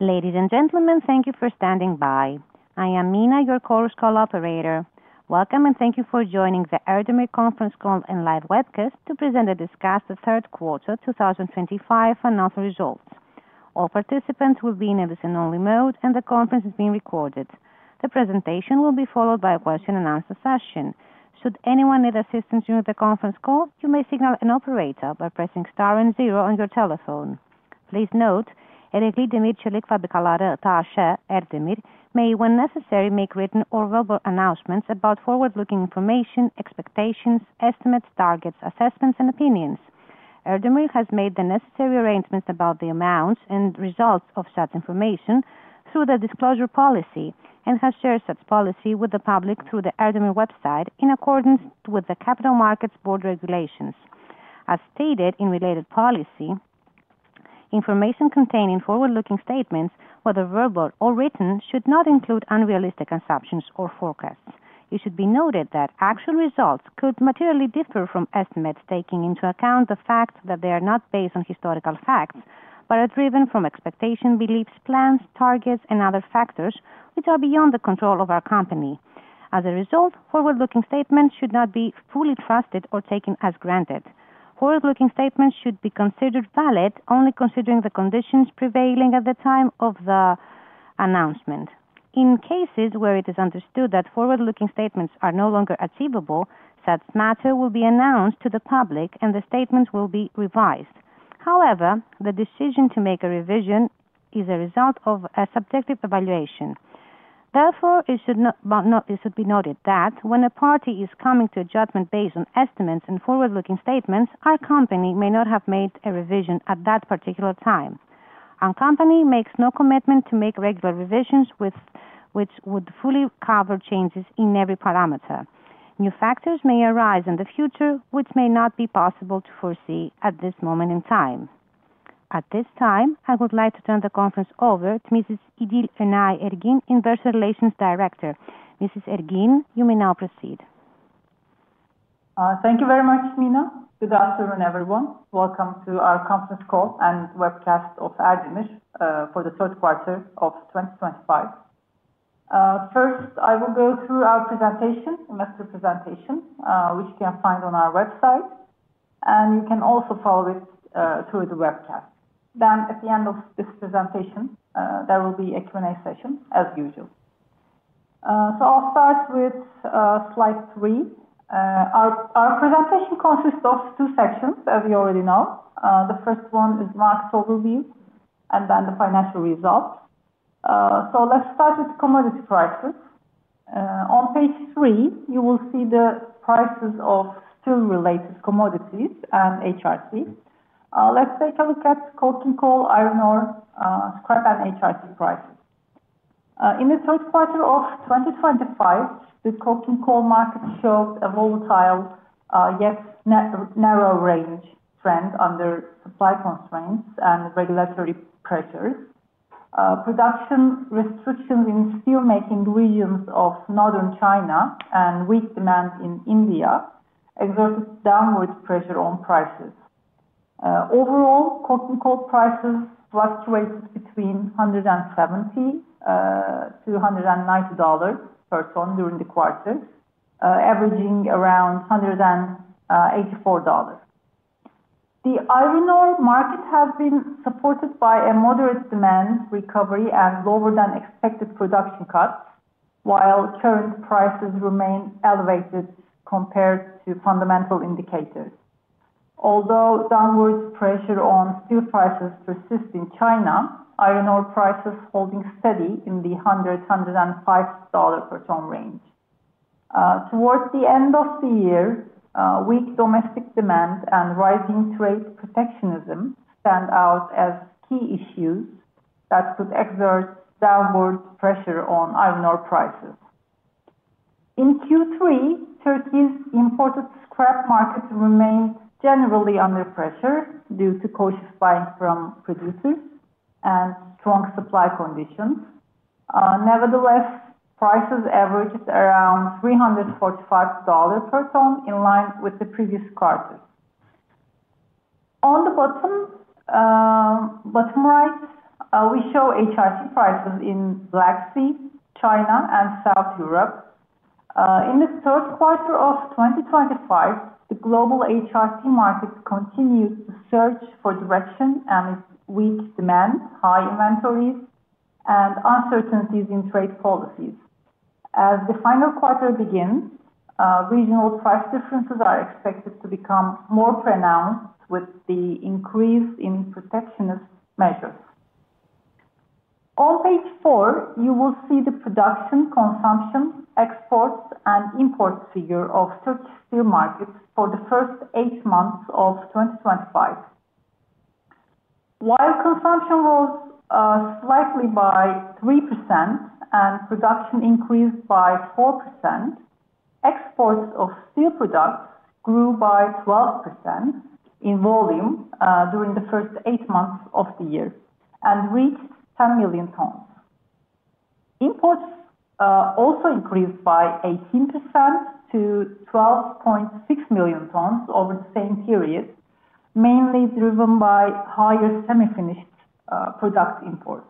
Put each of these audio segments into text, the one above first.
Ladies and gentlemen, thank you for standing by. I am Mina, your call operator. Welcome, and thank you for joining the Erdemir conference call and live webcast to present and discuss the third quarter 2025 financial results. All participants will be in a listen-only mode, and the conference is being recorded. The presentation will be followed by a question and answer session. Should anyone need assistance during the conference call, you may signal an operator by pressing star and zero on your telephone. Please note, Eregli Demir ve Çelik Fabrikalari T.A.S. (Erdemir) may, when necessary, make written or verbal announcements about forward-looking information, expectations, estimates, targets, assessments, and opinions. Erdemir has made the necessary arrangements about the amounts and results of such information through the disclosure policy and has shared such policy with the public through the Erdemir website in accordance with the Capital Markets Board regulations. As stated in related policy, information containing forward-looking statements, whether verbal or written, should not include unrealistic assumptions or forecasts. It should be noted that actual results could materially differ from estimates, taking into account the fact that they are not based on historical facts but are driven from expectations, beliefs, plans, targets, and other factors which are beyond the control of our company. As a result, forward-looking statements should not be fully trusted or taken as granted. Forward-looking statements should be considered valid only considering the conditions prevailing at the time of the announcement. In cases where it is understood that forward-looking statements are no longer achievable, such matter will be announced to the public, and the statements will be revised. However, the decision to make a revision is a result of a subjective evaluation. Therefore, it should be noted that when a party is coming to a judgment based on estimates and forward-looking statements, our company may not have made a revision at that particular time. Our company makes no commitment to make regular revisions, which would fully cover changes in every parameter. New factors may arise in the future, which may not be possible to foresee at this moment in time. At this time, I would like to turn the conference over to Mrs. İdil Önay Ergin, Investor Relations Director. Mrs. Ergin, you may now proceed. Thank you very much, Mina. Good afternoon, everyone. Welcome to our conference call and webcast of Erdemir for the third quarter of 2025. First, I will go through our presentation, a master presentation, which you can find on our website, and you can also follow it through the webcast. At the end of this presentation, there will be a Q&A session, as usual. I'll start with slide three. Our presentation consists of two sections, as you already know. The first one is the market overview, and then the financial results. Let's start with the commodity prices. On page three, you will see the prices of steel-related commodities and hot rolled coil. Let's take a look at coking coal, iron ore, scrap, and hot rolled coil prices. In the third quarter of 2025, the coking coal market showed a volatile yet narrow range trend under supply constraints and regulatory pressures. Production restrictions in steelmaking regions of northern China and weak demand in India exerted downward pressure on prices. Overall, coking coal prices fluctuated between $170-$190 per ton during the quarter, averaging around $184. The iron ore market has been supported by a moderate demand recovery and lower-than-expected production cuts, while current prices remain elevated compared to fundamental indicators. Although downward pressure on steel prices persists in China, iron ore prices hold steady in the $100-$105 per ton range. Towards the end of the year, weak domestic demand and rising trade protectionism stand out as key issues that could exert downward pressure on iron ore prices. In Q3, Turkey's imported scrap market remained generally under pressure due to cautious buying from producers and strong supply conditions. Nevertheless, prices averaged around $345 per ton, in line with the previous quarters. On the bottom right, we show hot rolled coil prices in the Black Sea, China, and South Europe. In the third quarter of 2025, the global hot rolled coil market continued to search for direction and its weak demand, high inventories, and uncertainties in trade policies. As the final quarter begins, regional price differences are expected to become more pronounced with the increase in protectionist measures. On page four, you will see the production, consumption, exports, and import figures of the Turkish steel market for the first eight months of 2025. While consumption rose slightly by 3% and production increased by 4%, exports of steel products grew by 12% in volume during the first eight months of the year and reached 10 million tons. Imports also increased by 18% to 12.6 million tons over the same period, mainly driven by higher semi-finished product imports.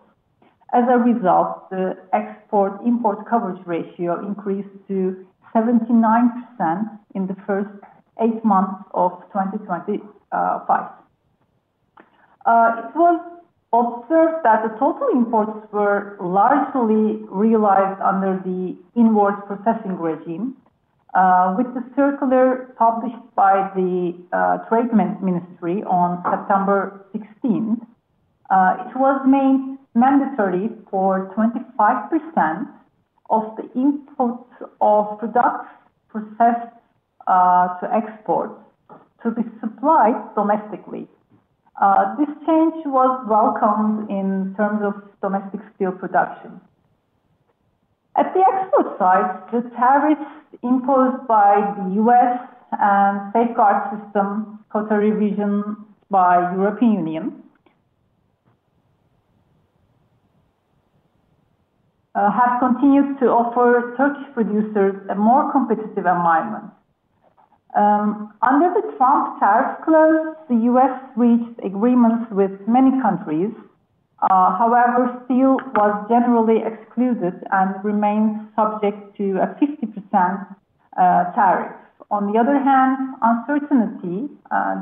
As a result, the export-import coverage ratio increased to 79% in the first eight months of 2025. It was observed that the total imports were largely realized under the inward processing regime. With the circular published by the Trade Ministry on September 16, it was made mandatory for 25% of the imports of products processed to exports to be supplied domestically. This change was welcomed in terms of domestic steel production. At the export side, the tariffs imposed by the U.S. and the safeguard system quota revision by the European Union have continued to offer Turkish producers a more competitive environment. Under the Trump tariff clause, the U.S. reached agreements with many countries. However, steel was generally excluded and remains subject to a 50% tariff. On the other hand, uncertainty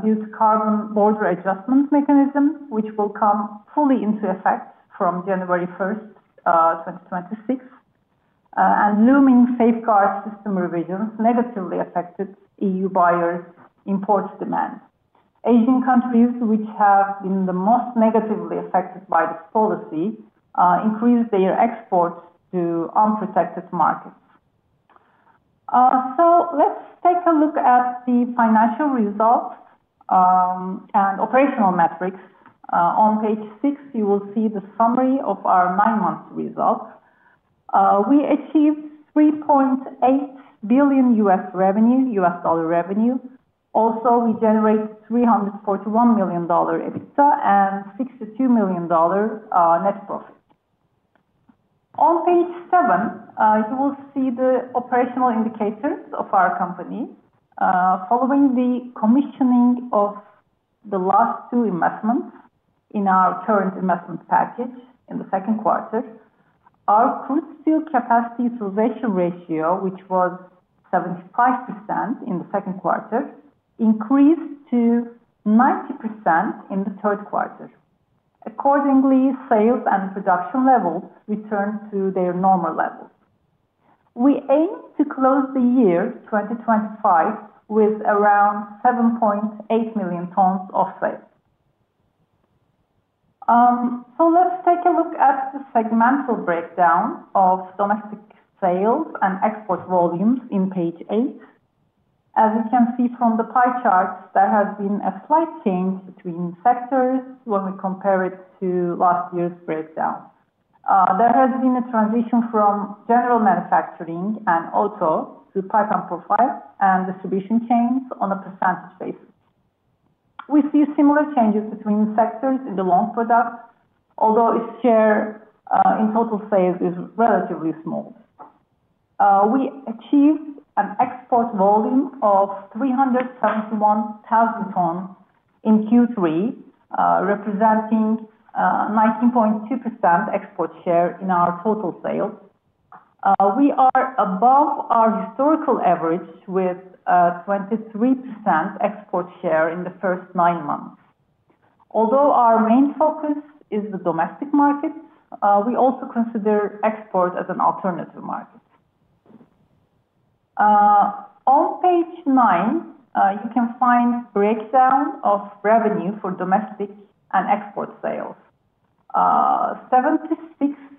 due to the Carbon Border Adjustment Mechanism, which will come fully into effect from January 1st, 2026, and looming safeguard system revisions negatively affected EU buyers' import demand. Asian countries, which have been the most negatively affected by this policy, increased their exports to unprotected markets. Let's take a look at the financial results and operational metrics. On page six, you will see the summary of our nine-month results. We achieved $3.8 billion revenue. Also, we generated $341 million EBITDA and $62 million net profit. On page seven, you will see the operational indicators of our company. Following the commissioning of the last two investments in our current investment package in the second quarter, our crude steel capacity utilization ratio, which was 75% in the second quarter, increased to 90% in the third quarter. Accordingly, sales and production levels returned to their normal levels. We aim to close the year 2025 with around 7.8 million tons of sales. Let's take a look at the segmental breakdown of domestic sales and export volumes on page eight. As you can see from the pie charts, there has been a slight change between sectors when we compare it to last year's breakdown. There has been a transition from general manufacturing and auto to pipeline profile and distribution chains on a percentage basis. We see similar changes between sectors in the long product, although its share in total sales is relatively small. We achieved an export volume of 371,000 tons in Q3, representing 19.2% export share in our total sales. We are above our historical average with 23% export share in the first nine months. Although our main focus is the domestic markets, we also consider export as an alternative market. On page nine, you can find a breakdown of revenue for domestic and export sales. 76%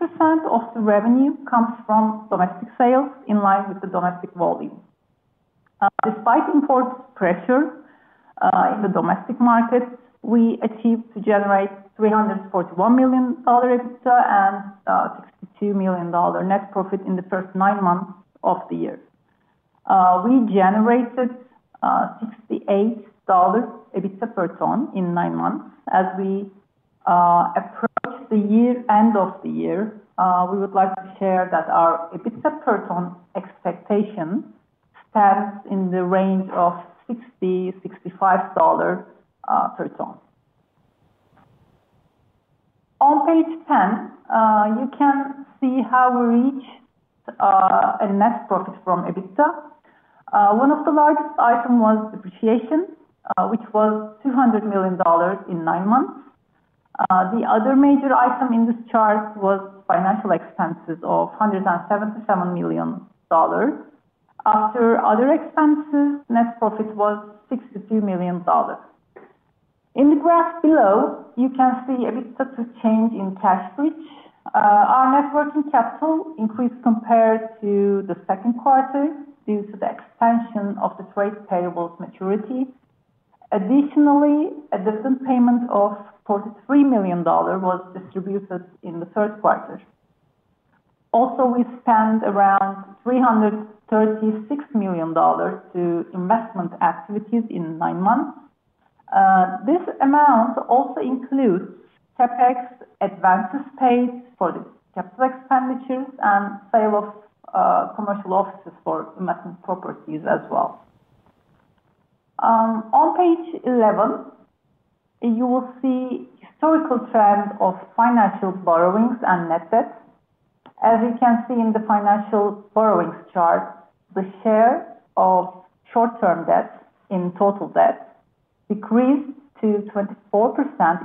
of the revenue comes from domestic sales, in line with the domestic volume. Despite import pressure in the domestic markets, we achieved to generate $341 million EBITDA and $62 million net profit in the first nine months of the year. We generated $68 EBITDA per ton in nine months. As we approach the end of the year, we would like to share that our EBITDA per ton expectation stands in the range of $60-$65 per ton. On page ten, you can see how we reached a net profit from EBITDA. One of the largest items was depreciation, which was $200 million in nine months. The other major item in this chart was financial expenses of $177 million. After other expenses, net profit was $62 million. In the graph below, you can see EBITDA to change in cash flow. Our net working capital increased compared to the second quarter due to the expansion of the trade payables maturity. Additionally, a dividend payment of $43 million was distributed in the third quarter. Also, we spent around $336 million to investment activities in nine months. This amount also includes CapEx advances paid for the capital expenditures and sale of commercial offices for investment properties as well. On page 11, you will see a historical trend of financial borrowings and net debt. As you can see in the financial borrowings chart, the share of short-term debt in total debt decreased to 24%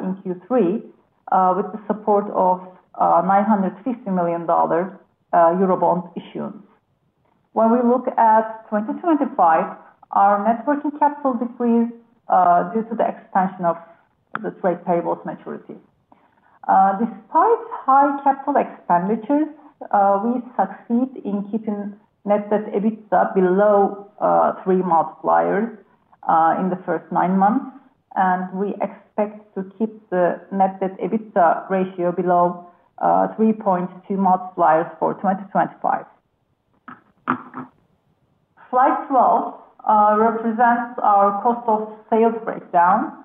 in Q3 with the support of $950 million eurobond issuance. When we look at 2025, our net working capital decreased due to the expansion of the trade payables maturity. Despite high capital expenditures, we succeeded in keeping net debt EBITDA below 3xs in the first nine months, and we expect to keep the net debt EBITDA ratio below 3.2x for 2025. Slide 12 represents our cost of sales breakdown.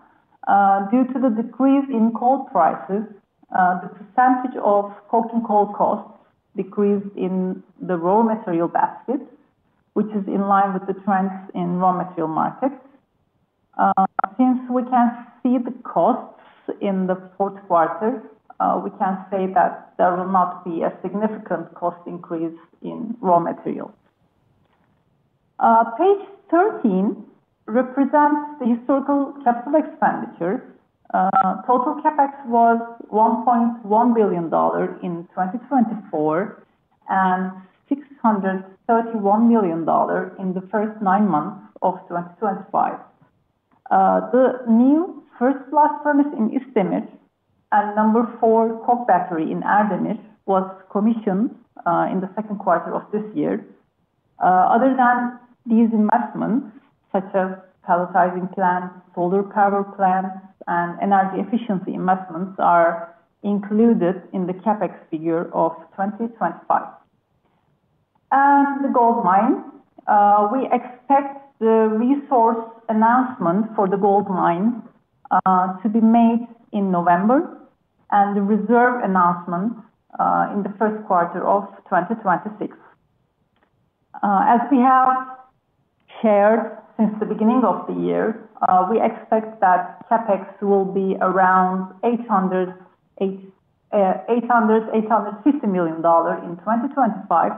Due to the decrease in coal prices, the percentage of coking coal costs decreased in the raw material baskets, which is in line with the trends in raw material markets. Since we can see the costs in the fourth quarter, we can say that there will not be a significant cost increase in raw materials. Page 13 represents the historical capital expenditures. Total CapEx was $1.1 billion in 2024 and $631 million in the first nine months of 2025. The new first-class premise in İskenderun and number four coke factory in Ereğli was commissioned in the second quarter of this year. Other than these investments, such as pelletizing plants, solar power plants, and energy efficiency investments are included in the CapEx figure of 2025. For the gold mine, we expect the resource announcement for the gold mine to be made in November and the reserve announcement in the first quarter of 2026. As we have shared since the beginning of the year, we expect that CapEx will be around $850 million in 2025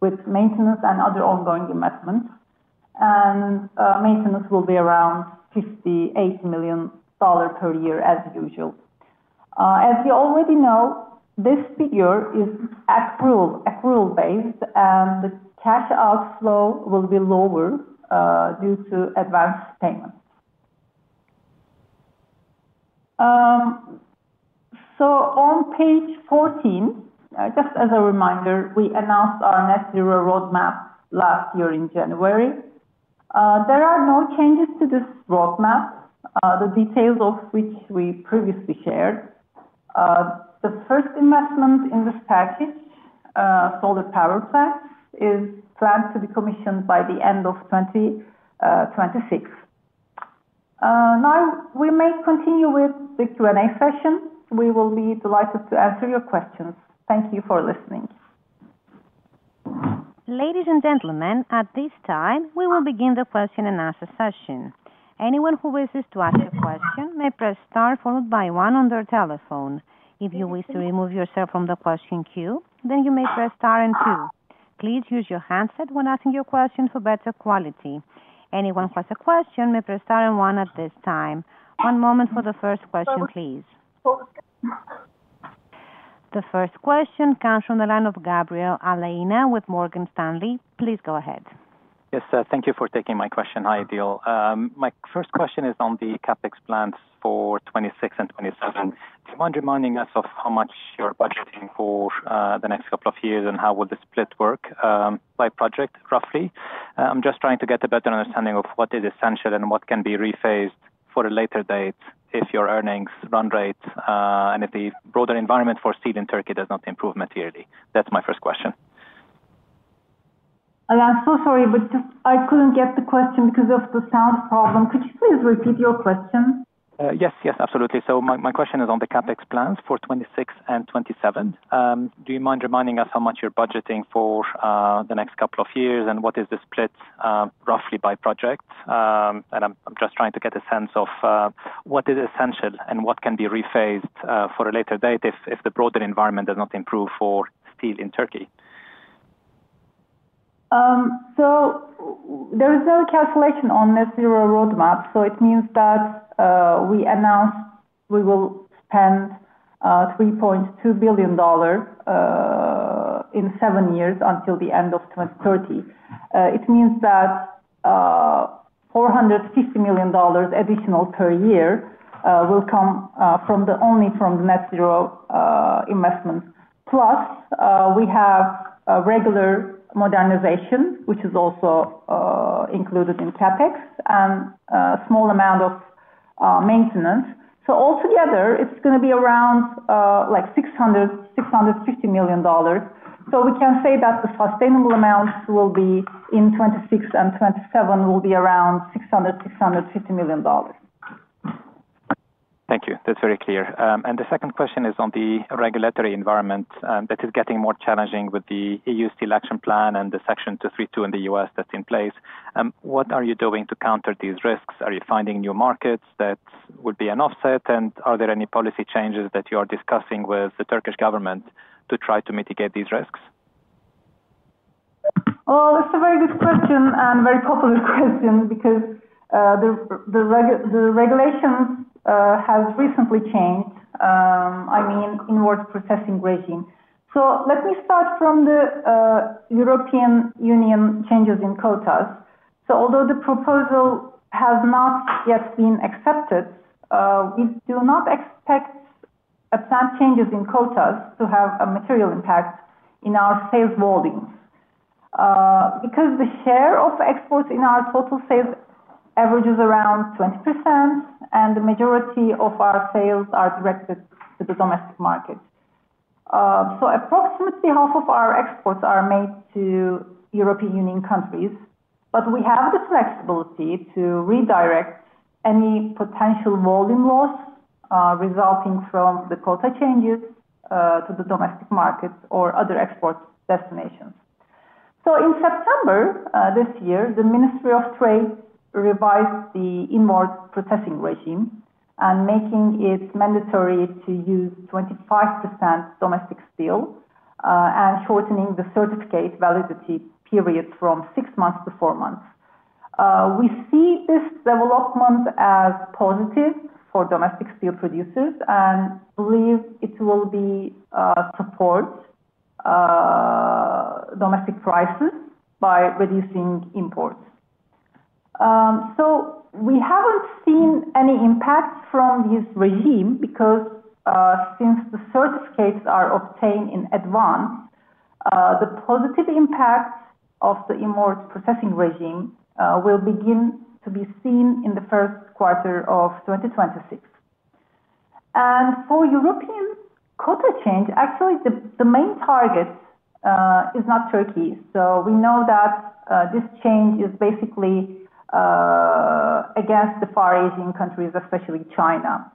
with maintenance and other ongoing investments, and maintenance will be around $58 million per year, as usual. As you already know, this figure is accrual-based and the cash outflow will be lower due to advance payments. On page 14, just as a reminder, we announced our net zero roadmap last year in January. There are no changes to this roadmap, the details of which we previously shared. The first investment in this package, solar power plants, is planned to be commissioned by the end of 2026. We may continue with the Q&A session. We will be delighted to answer your questions. Thank you for listening. Ladies and gentlemen, at this time, we will begin the question and answer session. Anyone who wishes to ask a question may press star followed by one on their telephone. If you wish to remove yourself from the question queue, then you may press star and two. Please use your handset when asking your question for better quality. Anyone who has a question may press star and one at this time. One moment for the first question, please. The first question comes from the line of Gabriel Alain with Morgan Stanley. Please go ahead. Yes, thank you for taking my question. Hi, İdil. My first question is on the CapEx plans for 2026 and 2027. Do you mind reminding us of how much you're budgeting for the next couple of years, and how will the split work by project, roughly? I'm just trying to get a better understanding of what is essential and what can be rephased for a later date if your earnings run rate and if the broader environment for steel in Turkey does not improve materially. That's my first question. I'm so sorry, but I couldn't get the question because of the sound problem. Could you please repeat your question? Yes, absolutely. My question is on the CapEx plans for 2026 and 2027. Do you mind reminding us how much you're budgeting for the next couple of years and what is the split roughly by project? I'm just trying to get a sense of what is essential and what can be rephased for a later date if the broader environment does not improve for steel in Turkey. There is no calculation on net zero roadmap, so it means that we announced we will spend $3.2 billion in seven years until the end of 2030. It means that $450 million additional per year will come only from the net zero investments. Plus, we have regular modernization, which is also included in CapEx, and a small amount of maintenance. Altogether, it's going to be around $600 million, $650 million. We can say that the sustainable amounts in 2026 and 2027 will be around $600 million, $650 million. Thank you. That's very clear. The second question is on the regulatory environment that is getting more challenging with the EU Steel Action Plan and the Section 232 in the U.S. that's in place. What are you doing to counter these risks? Are you finding new markets that would be an offset? Are there any policy changes that you are discussing with the Turkish government to try to mitigate these risks? That's a very good question and a very popular question because the regulations have recently changed. I mean, inward processing regime. Let me start from the European Union changes in quotas. Although the proposal has not yet been accepted, we do not expect a planned change in quotas to have a material impact in our sales volumes because the share of exports in our total sales averages around 20%, and the majority of our sales are directed to the domestic market. Approximately half of our exports are made to European Union countries, but we have the flexibility to redirect any potential volume loss resulting from the quota changes to the domestic markets or other export destinations. In September this year, the Ministry of Trade revised the inward processing regime and made it mandatory to use 25% domestic steel and shortened the certificate validity period from six months to four months. We see this development as positive for domestic steel producers and believe it will support domestic prices by reducing imports. We haven't seen any impact from this regime because since the certificates are obtained in advance, the positive impact of the inward processing regime will begin to be seen in the first quarter of 2026. For European quota change, actually, the main target is not Turkey. We know that this change is basically against the Far Asian countries, especially China.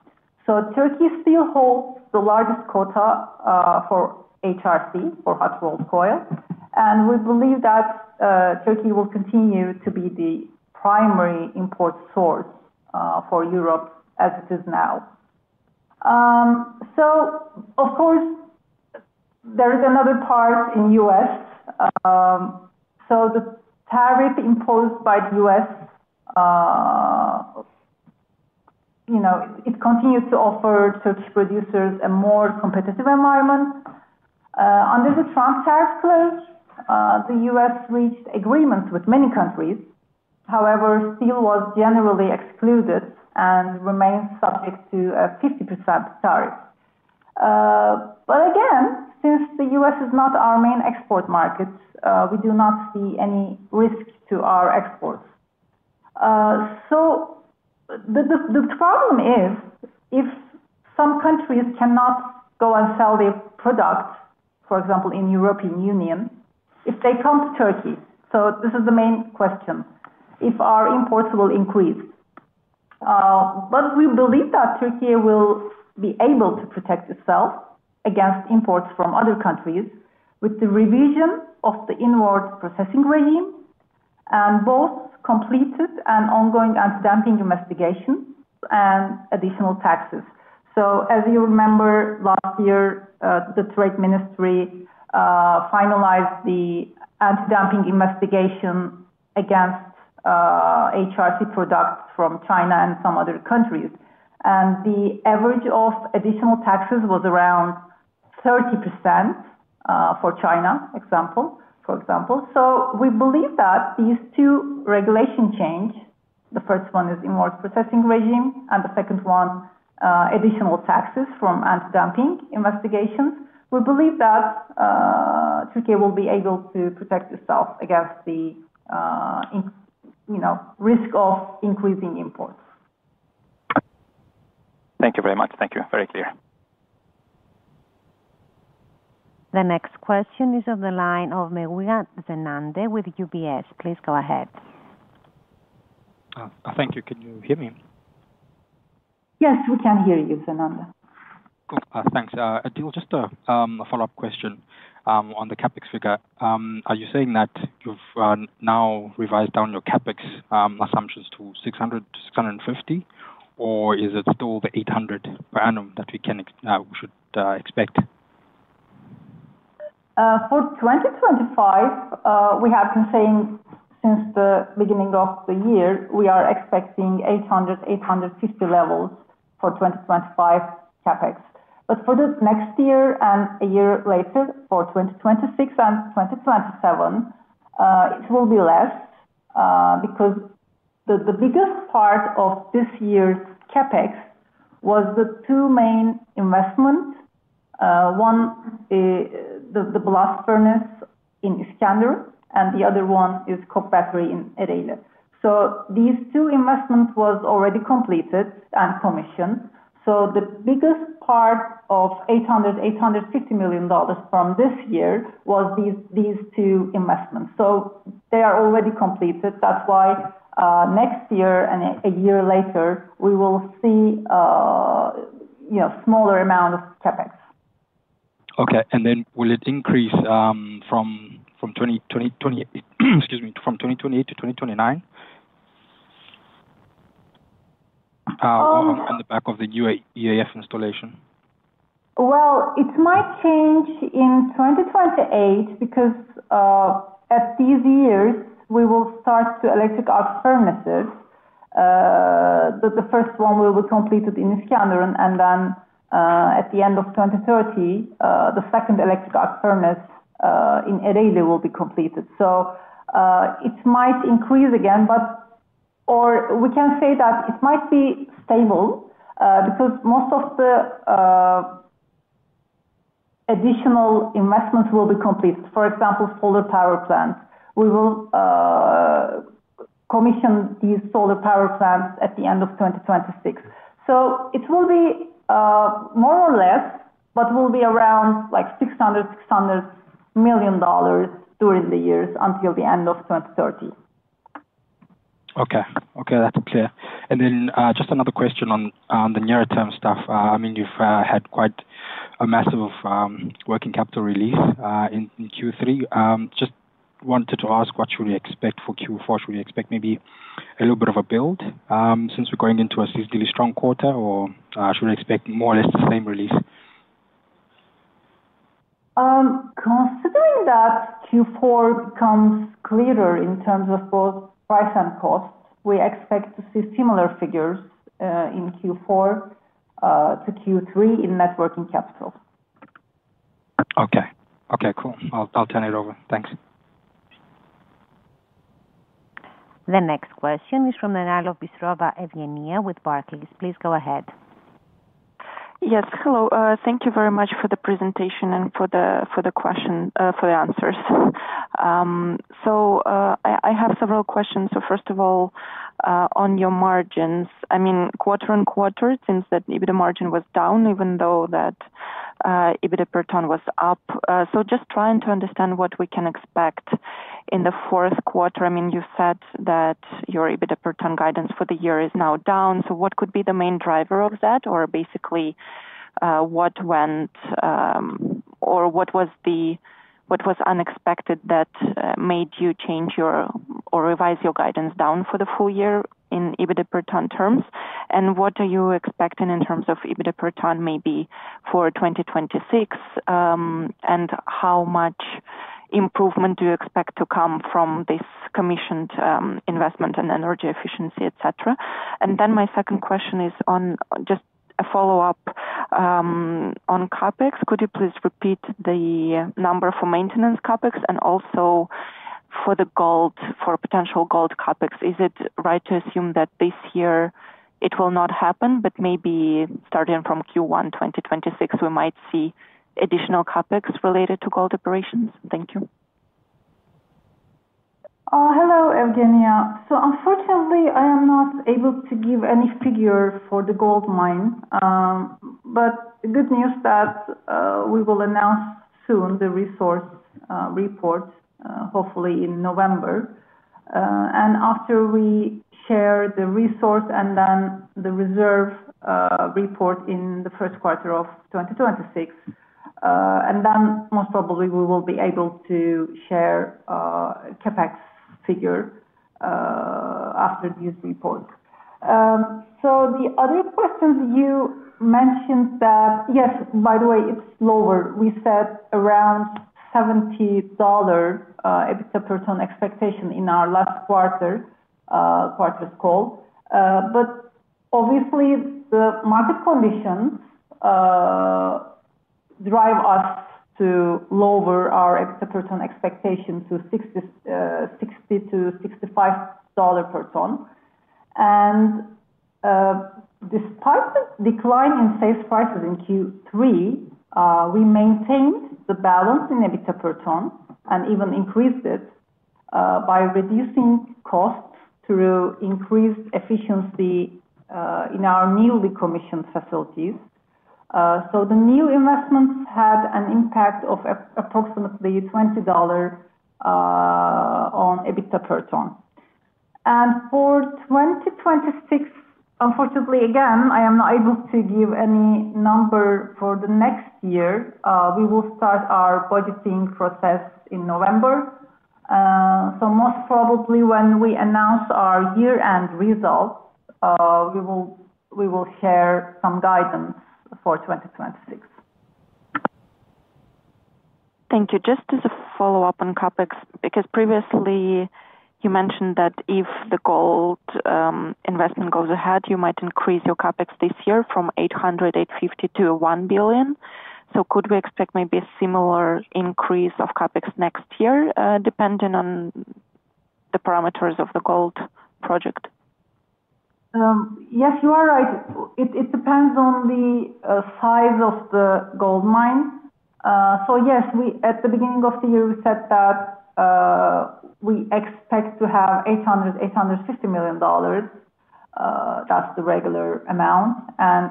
Turkey still holds the largest quota for HRC, for hot rolled coil, and we believe that Turkey will continue to be the primary import source for Europe as it is now. Of course, there is another part in the U.S. The tariff imposed by the U.S., you know, it continues to offer Turkish producers a more competitive environment. Under the Trump tariff clause, the U.S. reached agreements with many countries. However, steel was generally excluded and remains subject to a 50% tariff. Again, since the U.S. is not our main export market, we do not see any risk to our exports. The problem is if some countries cannot go and sell their product, for example, in the European Union, if they come to Turkey. This is the main question. If our imports will increase. We believe that Turkey will be able to protect itself against imports from other countries with the revision of the inward processing regime and both completed and ongoing anti-dumping investigations and additional taxes. As you remember, last year, the Trade Ministry finalized the anti-dumping investigation against HRC products from China and some other countries, and the average of additional taxes was around 30% for China, for example. We believe that these two regulations change. The first one is the inward processing regime, and the second one, additional taxes from anti-dumping investigations. We believe that Turkey will be able to protect itself against the risk of increasing imports. Thank you very much. Thank you. Very clear. The next question is on the line of Zenande Meyiwa with UBS. Please go ahead. Thank you. Can you hear me? Yes, we can hear you, Zenande. Thanks. I did just a follow-up question on the CapEx figure. Are you saying that you've now revised down your CapEx assumptions to $600 million-$650 million, or is it still the $800 million per annum that we should expect? For 2025, we have been saying since the beginning of the year, we are expecting $800 million, $850 million levels for 2025 CapEx. For the next year and a year later, for 2026 and 2027, it will be less because the biggest part of this year's CapEx was the two main investments. One is the blast furnace in Iskenderun, and the other one is the coke factory in Ereğli. These two investments were already completed and commissioned. The biggest part of $800 million, $850 million from this year was these two investments. They are already completed. That's why next year and a year later, we will see a smaller amount of CapEx. Okay. Will it increase from 2028 to 2029 on the back of the EAF installation? It might change in 2028 because at these years, we will start two electric arc furnaces. The first one will be completed in İskenderun, and then at the end of 2030, the second electric arc furnace in Ereğli will be completed. It might increase again, but we can say that it might be stable because most of the additional investments will be completed. For example, solar power plants. We will commission these solar power plants at the end of 2026. It will be more or less, but will be around like $600 million during the years until the end of 2030. Okay, that's clear. Just another question on the nearer-term stuff. I mean, you've had quite a massive working capital release in Q3. Just wanted to ask, what should we expect for Q4? Should we expect maybe a little bit of a build since we're going into a sizably strong quarter, or should we expect more or less the same release? Considering that Q4 becomes clearer in terms of both price and cost, we expect to see similar figures in Q4 to Q3 in net working capital. Okay, cool. I'll turn it over. Thanks. The next question is from the line of Bystrova Evgeniya with Barclays. Please go ahead. Yes. Hello. Thank you very much for the presentation and for the answers. I have several questions. First of all, on your margins, I mean, quarter on quarter, it seems that EBITDA margin was down, even though EBITDA per ton was up. I am just trying to understand what we can expect in the fourth quarter. You said that your EBITDA per ton guidance for the year is now down. What could be the main driver of that, or basically what went or what was unexpected that made you change or revise your guidance down for the full year in EBITDA per ton terms? What are you expecting in terms of EBITDA per ton maybe for 2026, and how much improvement do you expect to come from this commissioned investment and energy efficiency, etc.? My second question is just a follow-up on CapEx. Could you please repeat the number for maintenance CapEx and also for the potential gold CapEx? Is it right to assume that this year it will not happen, but maybe starting from Q1 2026, we might see additional CapEx related to gold operations? Thank you. Hello, Evgeniya. Unfortunately, I am not able to give any figure for the gold mine, but the good news is that we will announce soon the resource report, hopefully in November. After we share the resource and then the reserve report in the first quarter of 2026, most probably we will be able to share a CapEx figure after these reports. The other question you mentioned, yes, by the way, it's lower. We said around $70 EBITDA per ton expectation in our last quarter's call. Obviously, the market conditions drive us to lower our EBITDA per ton expectation to $60-$65 per ton. Despite the decline in sales prices in Q3, we maintained the balance in EBITDA per ton and even increased it by reducing costs through increased efficiency in our newly commissioned facilities. The new investments had an impact of approximately $20 on EBITDA per ton. For 2026, unfortunately, again, I am not able to give any number for the next year. We will start our budgeting process in November. Most probably when we announce our year-end results, we will share some guidance for 2026. Thank you. Just as a follow-up on CapEx, because previously you mentioned that if the gold investment goes ahead, you might increase your CapEx this year from $800 million, $850 million to $1 billion. Could we expect maybe a similar increase of CapEx next year depending on the parameters of the gold project? Yes, you are right. It depends on the size of the gold mine. Yes, at the beginning of the year, we said that we expect to have $800 million, $850 million. That's the regular amount.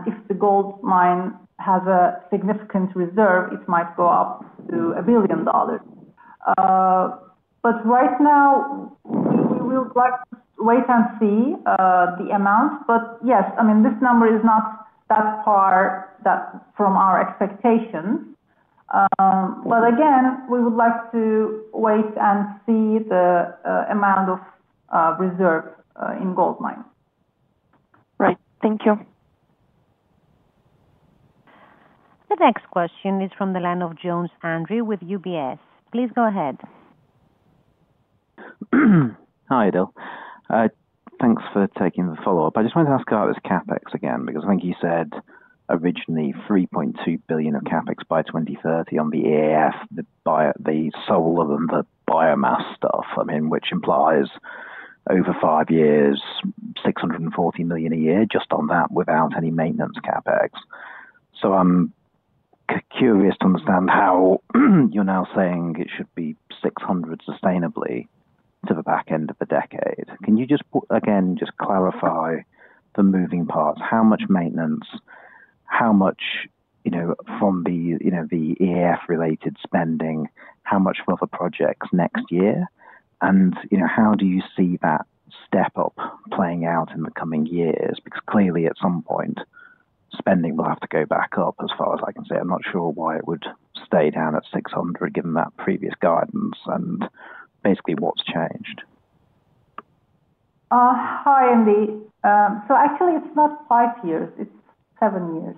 If the gold mine has a significant reserve, it might go up to $1 billion. Right now, we will just wait and see the amount. Yes, this number is not that far from our expectations. Again, we would like to wait and see the amount of reserve in gold mines. Right. Thank you. The next question is from the line of Jones Andy with UBS. Please go ahead. Hi, İdil. Thanks for taking the follow-up. I just wanted to ask about this CapEx again because I think you said originally $3.2 billion of CapEx by 2030 on the EAF, the solar and the biomass stuff, which implies over five years, $640 million a year just on that without any maintenance CapEx. I'm curious to understand how you're now saying it should be $600 million sustainably to the back end of the decade. Can you just again clarify the moving parts? How much maintenance? How much from the EAF-related spending? How much for the projects next year? How do you see that step-up playing out in the coming years? Clearly, at some point, spending will have to go back up, as far as I can see. I'm not sure why it would stay down at $600 million given that previous guidance and basically what's changed. Hi, Andy. Actually, it's not five years. It's seven years.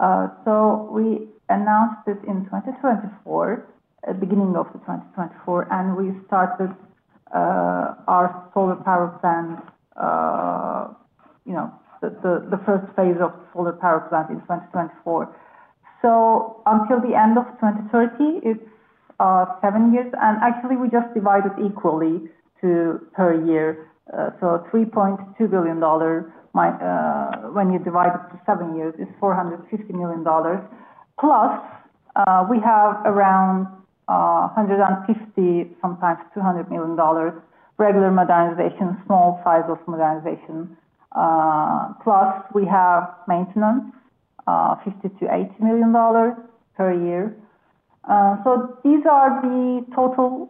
We announced this in 2024, at the beginning of 2024, and we started our solar power plant, the first phase of the solar power plant in 2024. Until the end of 2030, it's seven years. We just divide it equally per year. $3.2 billion, when you divide it to seven years, is $450 million. Plus, we have around $150 million, sometimes $200 million regular modernization, small size of modernization. Plus, we have maintenance, $50 million-$80 million per year. These are the total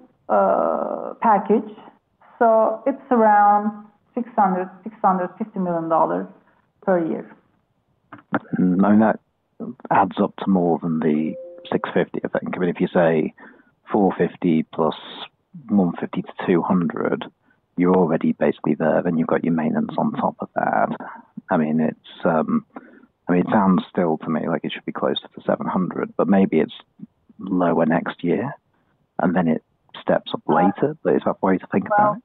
package. It's around $600 million, $650 million per year. That adds up to more than the $650 million, I think. If you say $450 million plus $150 million to $200 million, you're already basically there, then you've got your maintenance on top of that. It sounds still to me like it should be close to the $700 million, but maybe it's lower next year and then it steps up later. Is that the way to think about it?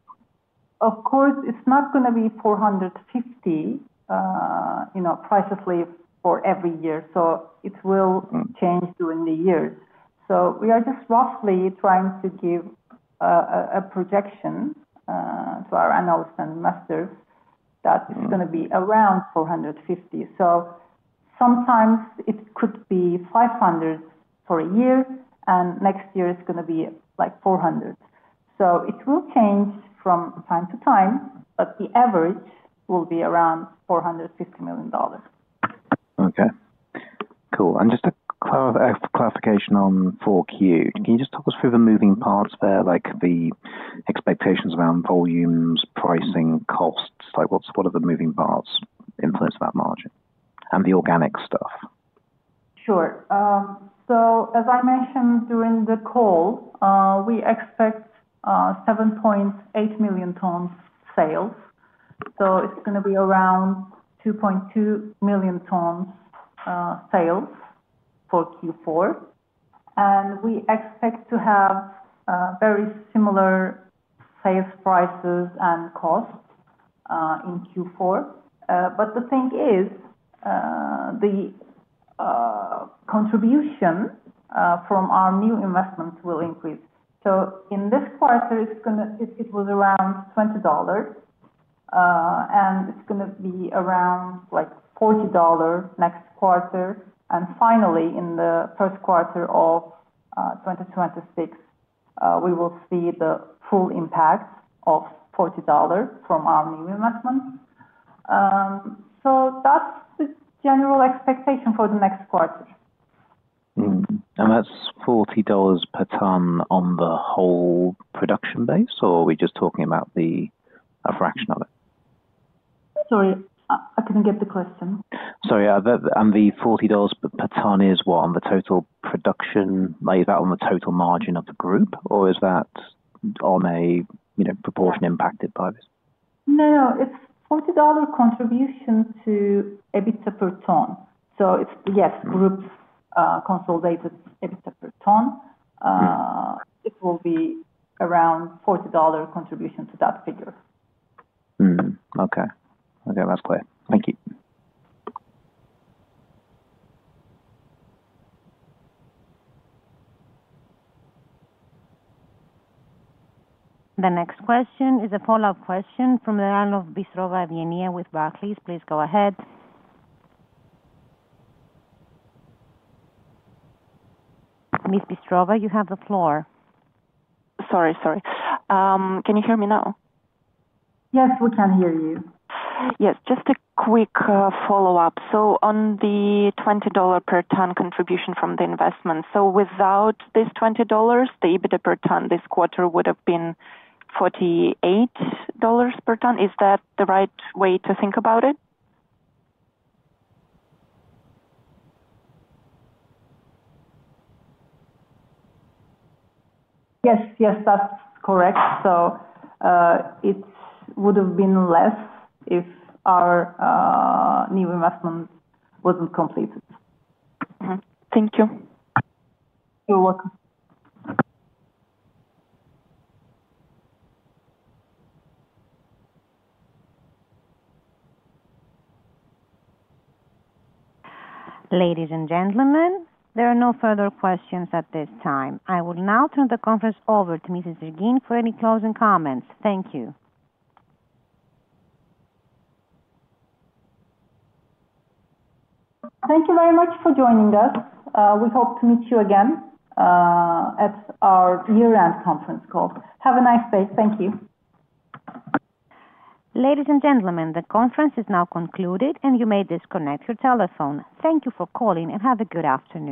Of course, it's not going to be $450 million, you know, precisely for every year. It will change during the years. We are just roughly trying to give a projection to our analysts and investors that it's going to be around $450 million. Sometimes it could be $500 million for a year, and next year it's going to be like $400 million. It will change from time to time, but the average will be around $450 million. Okay. Cool. Just a clarification on 4Q. Can you talk us through the moving parts there, like the expectations around volumes, pricing, costs? What are the moving parts influencing that margin and the organic stuff? Sure. As I mentioned during the call, we expect 7.8 million tons sales. It's going to be around 2.2 million tons sales for Q4, and we expect to have very similar sales prices and costs in Q4. The thing is, the contribution from our new investments will increase. In this quarter, it was around $20, and it's going to be around $40 next quarter. Finally, in the first quarter of 2026, we will see the full impact of $40 from our new investments. That's the general expectation for the next quarter. Is that $40 per ton on the whole production base, or are we just talking about a fraction of it? Sorry, I couldn't get the question. Sorry. The $40 per ton is what? Is that on the total production? Is that on the total margin of the group, or is that on a proportion impacted by this? No, it's $40 contribution to EBITDA per ton. Yes, group's consolidated EBITDA per ton will be around $40 contribution to that figure. Okay, that's clear. Thank you. The next question is a follow-up question from the line of Evgeniya Bystrova with Barclays Bank PLC. Please go ahead. Ms. Bystrova, you have the floor. Sorry. Can you hear me now? Yes, we can hear you. Yes, just a quick follow-up. On the $20 per ton contribution from the investments, without this $20, the EBITDA per ton this quarter would have been $48 per ton. Is that the right way to think about it? Yes, yes, that's correct. It would have been less if our new investment wasn't completed. Thank you. You're welcome. Ladies and gentlemen, there are no further questions at this time. I will now turn the conference over to Mrs. Ergin for any closing comments. Thank you. Thank you very much for joining us. We hope to meet you again at our year-end conference call. Have a nice day. Thank you. Ladies and gentlemen, the conference is now concluded, and you may disconnect your telephone. Thank you for calling and have a good afternoon.